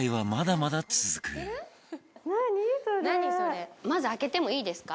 まず開けてもいいですか？